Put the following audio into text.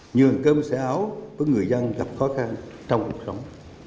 nhường cơm xẻ áo với người dân gặp khó khăn trong cuộc sống